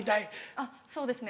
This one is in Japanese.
あっそうですね